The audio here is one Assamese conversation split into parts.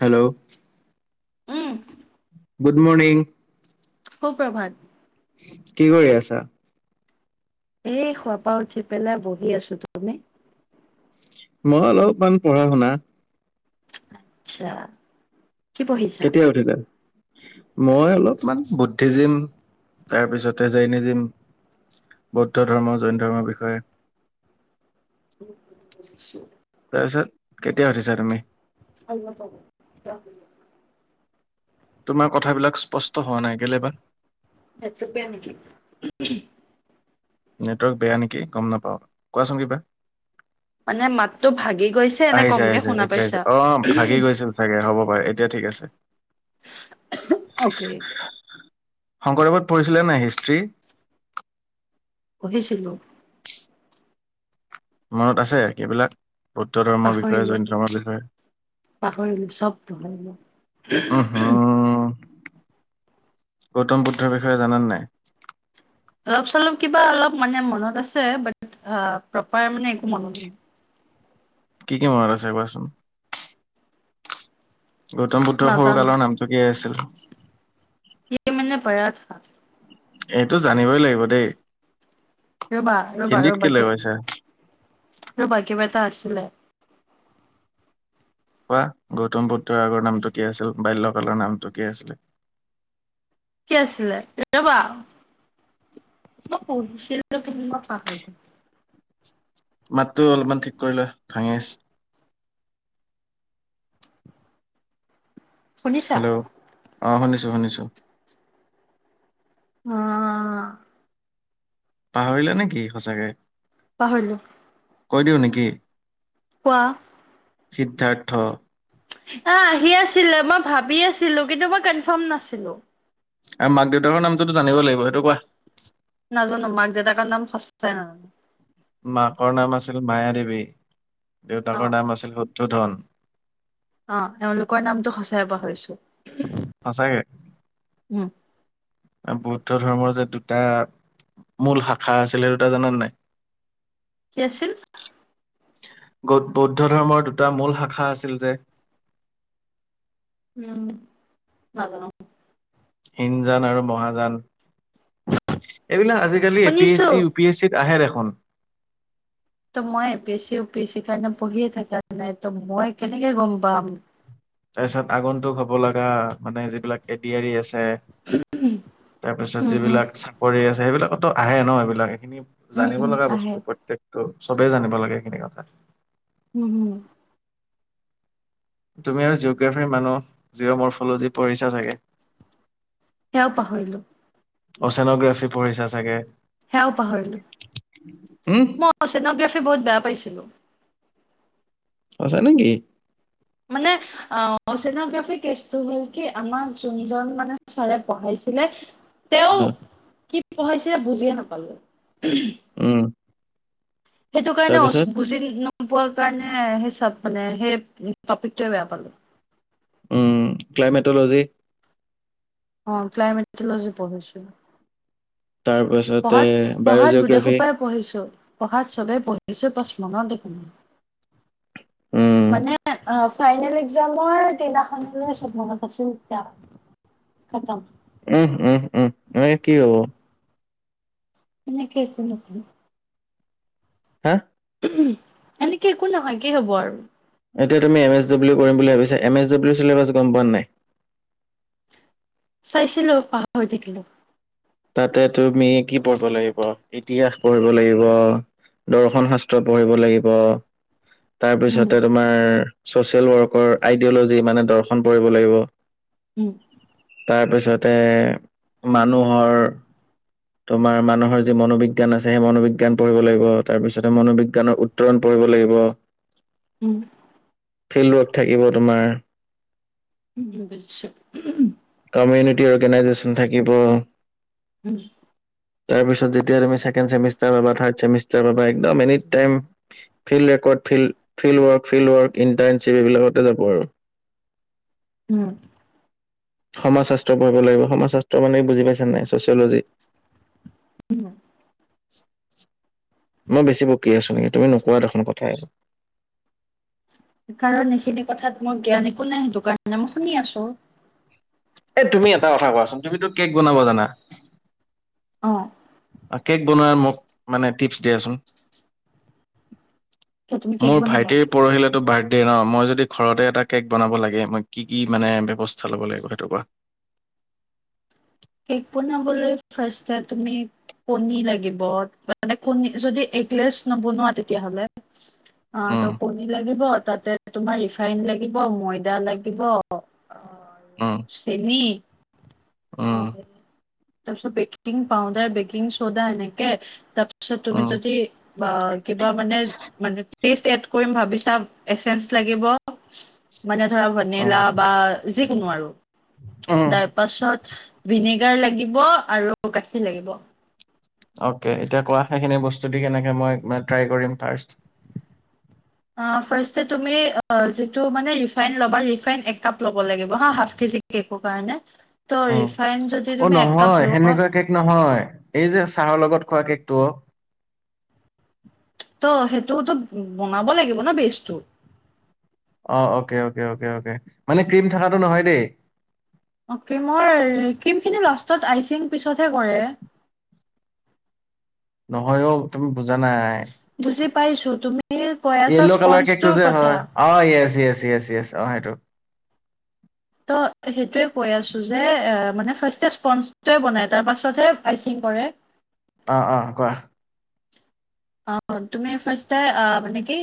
Hello um good morning. সুপ্ৰভাত। কি কৰি আছা এই শুৱাপা উঠি পেলাই বহি আছোঁ, তুমি? মই অলপমান পঢ়া-শুনা। আচ্ছা। কি পঢ়িছা? কেতিয়া উঠিলা মই অলপমান বৌদ্ধিজীম তাৰপিছতে জেইনিজিম বৌদ্ধ ধৰ্ম, জৈন ধৰ্মৰ বিষয়ে। [inaudible] তাৰপিছত কেতিয়া উঠিছা তুমি? অলপ আগত। তোমাৰ কথাবিলাক স্পষ্ট হোৱা নাই, কেলে বা। নেটৱৰ্ক বেয়া নেকি? [unintelligible] নেটৱৰ্ক বেয়া নেকি, গম নাপাওঁ, কোৱাচোন কিবা। মানে মাতটো ভাগি গৈছে নে আহিছে, কমকে আহিছে, শুনা এতিয়া আহিছে পাইছা? অ', ভাগি গৈছিল চাগে হ'ব পাৰে, এতিয়া ঠিক আছে। অ'কে। শংকৰদেৱত পঢ়িছিলে নে নাই হিষ্ট্ৰী। পহিছিলো। মনত আছে এইবিলাক। বৌদ্ধ ধৰ্মৰ বিষয়ে, পাহৰিলো, জৈন ধৰ্মৰ বিষয়ে। পাহৰিলো, চব পাহৰিলো। উম হম গৌতম বুদ্ধৰ বিষয়ে জানানে নাই। অলপ চলপ কিবা অলপ মানে মনত আছে বাট প্ৰপাৰ মানে একো মনত নাই। কি কি মনত আছে কোৱাচোন। গৌতম বুদ্ধৰ সৰু নাজানো, কালৰ নামটো কি আছিল। ই মানে বৰা এইটো জানিবই লাগিব দেই। ৰবা ৰ'বা হিন্দীত ৰ'বা কেলে কৈছা? ৰবা কিব এটা আছিলে। কোৱা গৌতম বুত্ৰৰ আগৰ নামটো কি আছিল বাল্যকালৰ নামটো কি আছিলে? কি আছিলে ৰবা? ছিল লোকে প? মাতটো অলপমান ঠিক কৰিলে ভাঙি আহছে শুনিছা? হেল্ল' আহ শুনিছো শুনিছো অ পাহৰিলা নেকি সঁচাকে? পাহৰিলো। কৈ দিওঁ নেকি? কোৱা। সিদ্ধাৰ্থ আহ আহি আছিলে মই ভাবি আছিলো কিন্তু মই কনফাৰ্ম নাছিলো আৰু মাক দেউতাকৰ নামটোতো জানিব লাগিব সেইটো কোৱা। নাজানোঁ মাক দেউতাকৰ নাম সঁচাই নাজানোঁ।। মাকৰ নাম আছিল মায় দেৱী দেউতাকৰ অ' নাম আছিল শুদ্ধোধন অ এওঁলোকৰ নামটো সঁচাই পাহৰিছোঁ। সঁচাকে বৌদ্ধ ধৰ্মৰ যে দুটা। মূল শাখা আছিলে দুটা জানা নে নাই কি আছিল বৌদ্ধ ধৰ্মৰ দুটা মূল শাখা আছিল যে। উম নাজানো। ইনজান আৰু মহাজান এইবিলাক আজিকালি শুনিছো। APSC UPSC. আহে দেখোঁন। ত মই এ পি এছ চি উ পি এছ চিৰ এক্জাম মই পঢ়িয়ে থকা নাই ত' মই কেনেকে গম পাম তাৰ পিছত আগন্তটো হ'ব লগা মানে যিবিলাক এডইআৰি আছে তাৰপিছত উম উম যিবিলাক চাকৰি আছে। যে সেইবিলাকতো আহে ন এইবিলাক এইখিনি উম জানিব উম লগা বস্তু আহে প্ৰত্যেক। ত চবেই জানিব লাগে সেইখিনি কথা। হম হম। তুমি আৰু জিঅ'গ্ৰাফীৰ মানুহ জিৰ' মৰ্ফ'ল'জি পঢ়িছা চাগে সেয়াও পাহৰিলোঁ। অ চেনোগ্ৰাফি পঢ়িছা চাগে। সেয়াও পাহৰিলোঁ উম মই চেনোগ্ৰাফী বহুত বেয়া পাইছিলোঁ। সচা নেকি মানে অ চোগ্ৰাফিটো হল কি আমাৰ যোনজন মানে চাৰে পঢ়াইছে ছিলে তেওঁ অ, কি পঢ়াইছিলে বুজিয়ে নাপালোঁ। উম। সেইটো কাৰণে তাৰপিছত বুজি ন [unintelligible] পোৱাৰ কাৰণে সেই মানে সেই টপিকটোৱে বেয়া পালোঁ। উম ক্লাইমেটলজি অ ক্লাইমেট'লজি পঢ়ছিল। তাৰপাছতে পঢ়াত পঢ়াত গোটেই বায়'জিঅ'গ্ৰাফী খোপাই পঢ়িছো পঢ়াত চবে পঢ়িছো। মনৰ দেখোন। উম। অ ফাইনেল এক্সামৰ দিনাখন ছবি মনত পৰিছিল উম উম উম মই কি হ'ব এনেকে কেছ নো হা। উ এনেকে একো নহয় কি হব আৰু। এতিয়া তুমি এম এছ ডাব্লিউ কৰিম বুলি ভাবিছা এম এছ ডাব্লিউ চিলেবাছ গম পোৱা নাই চাইছিলোঁ পাহৰি থাকিলো। তাতে তুমি কি পঢ়িব লাগিব ইতিহাস পঢ়িব লাগিব। দৰ্শন শাস্ত্ৰ পঢ়িব লাগিব। তাৰ উম, পিছতে তোমাৰ ছচিয়েল ৱৰ্কৰ আইডিয়অ'লজি মানে দৰ্শন পৰি লাগিব উম। তাৰপিছতে মানুহৰ। তোমাৰ মানুহৰ যি মনোবিজ্ঞান আছে সেই মনোবিজ্ঞান পঢ়িব লাগিব তাৰ পিছতে মনোবিজ্ঞানৰ উত্তৰণ পঢ় লাগিব। উম ফিল্ড ৱৰ্ক থাকিব তোমাৰ উমছা কমিউনিটি অৰ্গেনাইজেচন থাকিব। উম। তাৰপিছত যেতিয়া সেকেন ছেমিষ্টাৰ বা থ্ৰাড ছেমিষ্টাৰ পাবা এনি টাইম ফিল্ড ত field work field work internship এইবিলাকতে যাব আৰু। উম, সমাজ শাস্ত্ৰ পঢ়িব লাগিব সমাজ শাস্ত্ৰ মানে বুজি পাইছা নে নাই ছচিয়লজি। উম, মই বেছি বকী আছো নেকি তুমি নোকোৱা দেখোন কথা একো? কাৰণ এইখিনি কথাত মই জ্ঞান একো নাই সিটো কাৰণে মই শুনি আছো। এ তুমি এটা কথা কোৱাচোন তুমিতো কেক বনাব জানা অ', অ, কেক বনোৱাৰ মোক মানে টিপছ দিয়াচোন? ত' তুমি কেক মোৰ বনাবা? ভাইটিৰ পৰহিলেতো বাৰ্থ দে ন, মই যদি ঘৰতে এটা কেক বনাব লাগে মই কি-কি মানে ব্যৱস্থা ল'ব লাগিব সেইটো কোৱা? কেক বনাবলৈ ফাৰ্ষ্ট এ তুমি কণী লাগিব মানে কণী যদি এগলেছ নবনোৱা তেতিয়াহলে। অ, উম, ত' কণী লাগিব তাতে তোমাৰ ৰিফাইন লাগিব ময়দা লাগিব অ, উম, চেনী অ, উম, সেইটোৱে তাৰপিছত বেকিং পাউদাৰ, বেকিং চৌদা এনেকে তাৰপ তাৰপিছত তুমি উম, যদি বা কিবা মানে এ ষ্টেট কৰিম ভাবিছা [unintelligible] এচেঞ্চ লাগিব মানে ধৰা উম, ভেনিলা বা যিকোনো আৰু। উম। [unintelligible] পাছত ভিনেগাৰ লাগিব আৰু গাখীৰ লাগিব। অকে এতিয়া কোৱা সেইখিনি বস্তু দি কেনেকে মই মানে ট্ৰাই কৰিম ফাৰ্ষ্ট? অ, ফাৰ্ষ্ট এ তুমি অ, যিটো মানে ৰিফাইন ল'বা ৰিফাইন এক কাপ ল'ব লাগিব হা হাফ কেজ যি কে'ক কাৰণে। ত' উম, ৰিফাইন যদি অ, তুমি এক কাপ নহয় লোৱা সেনেকুৱা কেক নহয় এই যে চাৰৰ লগত খোৱা কেকটু অ, ত' সেইটোতো বনাব লাগিব ন বেজটো। অ' অকে অকে অকে অকে মানে ক্ৰীম থকাটো নহয় দেই। অ ক্ৰীমৰ ক্ৰীমখিনি লাষ্টত আইচিং পিছতহে কৰে। নহয়ো তুমি বুজা নাই। বুজি পাইছো তুমি কৈ আছা য়্ল' কালাৰ কেক টো স্পঞ্জটোৰ যে কথা হয় অ য়েচ য়েচ য়েচ য়েচ অ সেইটো। [inaudible] ত সেইটোয়ে কৈ আছো যে অ মানে। ফাৰ্ষ স্পজটে বনাই তাৰ পাছতহে আইচিং কৰে [inaudible] অ' অ' কোৱা। অ' তুমি ফাৰ্ষট মানে কি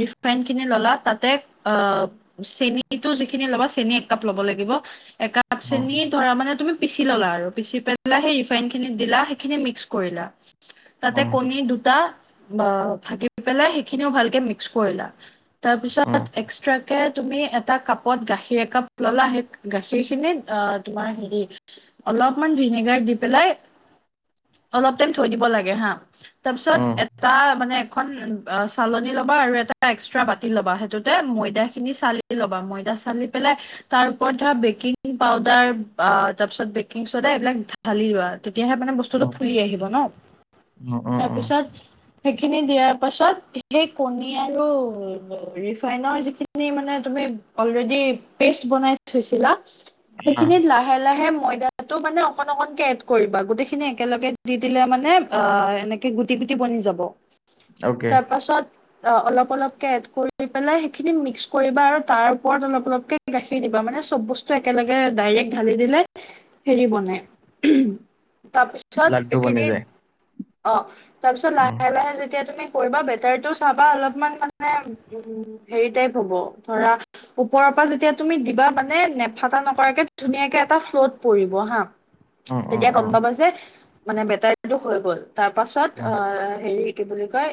ৰিফাইন খিনি ললা তাতে অ চেনটো যিখিনি ল'বা চেন একাপ ল'ব লাগিব। একাপ উম, চেনি ধৰা মানে তুমি পিচি ললা আৰু পিচি পেলাই সেই ৰিফাইন খিনি দিলা সেইখিনি মিক্স কৰিলা। তাতে উম, কণী দুটা ভাগি পেলাই সেইখিনিও ভালকে মিক্স কৰিলা। উম, তাৰপিছত এক্সট্ৰাক কে, তুমি এটা কাপত গাখীৰ একাপ ললা সেই গাখীৰ খিনিত অ তোমাৰ হেৰি অলপমান ভিনেগাৰ দি পেলাই অলপ টাইম থৈ দিব লাগে হা। তাৰপিছত উম, এটা মানে এ চালন লব আৰু এটা এক্সট্ৰা বাতি ল'বা সেইটোতে ময়দা খিনি চালি ল'বা ময়দা বি পউাৰাৰিছ ব [unintelligible] ধালি লোৱা তেতিয়াহে মানে বস্তুটো উম, ফুলি আহিব ন, উম, উম, উম, তাৰপিছত সেইখিনি দ পাছ সেই কণ আৰুনৰ যিিন মান আ, [inaudible] [unintelligible] ময়দাটো মানে অকন- অকনকে এড কৰিবা গোটেই খিনি একেলগে দি দিলে মানে আহ এনেকে গুটি গুটি বনি যাব, অ'কে তাৰ পাছত অ', অলপ অলপকে এড কৰি পেলাই সেইখিনি মিক্স কৰিবা আৰু তাৰ ওপৰত অলপ অলপকে গাখীৰ দিবা মানে মানে, চব বস্তু একেলগে ডাইৰেক্ট ঢালি দিলে হেৰি বনে। তাৰপিছত লাড্ডু বনি এইখিনি, যায়। অ, তাৰপিছত উম, লাহে লাহে যেতিয়া তুমি কৰিবা বেটাৰটো চাবা অলপমান মানে, উম, হেৰি টাইপ হ'ব ধৰা ওপৰৰ পৰা যেতিয়া তুমি দিবা মানে নেফাটা নকৰাকে ধুনীয়াকে এটা ফ্ল'ত পৰিব হা? উম, উম, তেতিয়া গম উম, পাব যে, মানে বেটাৰটো হৈ গ'ল তাৰ পাছত উম, অহ হেৰি কি বুলি কয়,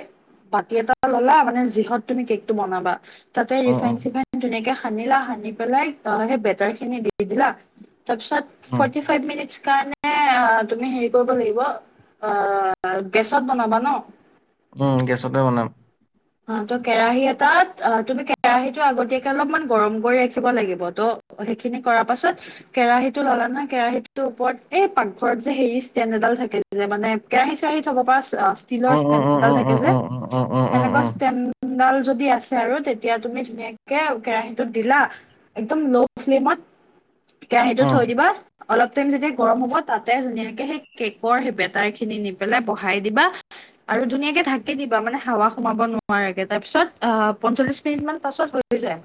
বাতি এটা ল'লা মানে যিহত তুমি কেকটো বনাবা। তাতে উম, ৰিফাইন উম, চিফাইন ধুনীয়াকে সানিলা সানি পেলাই, সেই বেটাৰ খিনি দি দিলা। তাৰপিছত উম, ফৰটি ফাইভ মিনিটছ কাৰণে তুমি হেৰি কৰিব লাগিব। অ', গেছত বনাবা ন? উম, গেছতে বনাম। অ', ত' কেৰাহী এটাত অ তুমি কেৰাহীটো আগতীয়াকে অলপমান গৰম কৰি ৰাখিব লাগিব ত'। সেইখিনি কৰাৰ পাছত, কেৰাহীটো ল'লা ন' কেৰাহীটোৰ ওপৰত এই পাকঘৰত যে হেৰি ষ্টেণ্ড এ ডাল থাকে যে মানে কেৰাহী চেৰাহী থ'ব পাৰা ষ্টিলৰ উম, উম, ষ্টেণ্ড উম, ডাল উম, থাকে যে, উম, উম, উম, উম, উম, সেনেকুৱা উম, ডাল যদি আছে আৰু তেতিয়া তুমি ধুনীয়াকে কেৰাহীটোত দিলা একদম ল' ফ্লেমত, কেৰাহীটো উম, থৈ দিবা। অলপ টাইম যেতিয়া গৰম হ'ব তাতে ধুনীয়াকে সেই কেকৰ সেই বেটাৰ খিনি নি পেলাই বহাই দিবা। আৰু ধুনীয়াকে ঢাকি দিবা মানে হাৱা সোমাব নোৱা ৰাকে, তাৰপিছত পঞ্চল্লিশ মিনিট পাছত হৈ যায়।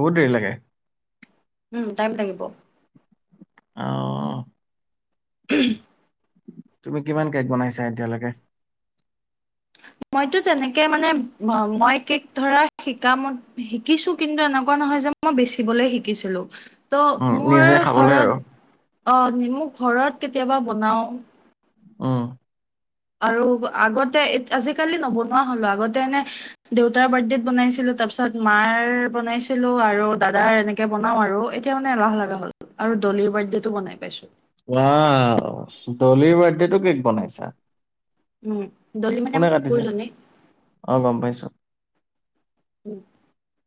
বহুত দেৰি লাগে। উম, টাইম লাগিব। অ'। [unintelligible] তুমি কিমান কেক বনাইছা এতিয়ালৈকে? [inaudible] মইতো তেনেকে মানে মই কেক ধৰা শিকাম শিকিছো কিন্তু এনেকুৱা নহয় যে মই বেচিবলে শিকিছিলো উম, ত' মোৰ নিজে খাবলৈ ঘৰত আৰু। অ নি মোৰ ঘৰত কেতিয়াবা বনাও উম আৰু আগতে আজিকালি নবনোৱা হলা আগতে এনে দেউতাৰ বাৰ্থডেত বনাইছিলোঁ তাৰ পিছত মাৰ বনাইছিলো আৰু দাদাৰ এনেকে বনাও আৰু এতিয়া মানে এলাহ লগা হল আৰু দলিৰ বাৰ্থদেটো বনাই পাইছো ওৱাও দলিৰ বাৰ্থডেটো কেক বনাইছা উম দলি মানে কোনে মোৰ কাটিছে? কুকুৰজনী অ', গম পাইছো। উম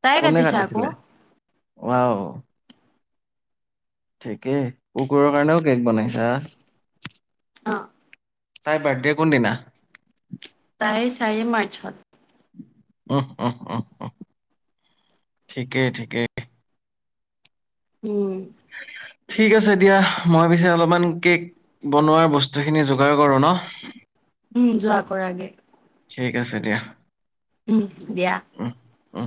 তাই কাটিছে আকৌ ওৱাও ঠিকেই কুকুৰৰ কাৰণেও কেক বনাইছা অ তাই বাৰ্থডে কোনদিনা। তাইৰ চাৰি মাৰ্চত উম উম উম উম ঠিকে ঠিকে উম। ঠিক আছে দিয়া মই পিছে অলপমান কেক বনোৱাৰ বস্তুখিনি যোগাৰ কৰোঁ ন'। উম যোৱা কৰা গে ঠিক আছে দিয়া উম দিয়া উম, উম